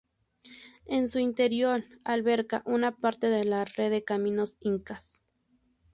En su interior alberga una parte de la red de caminos incas.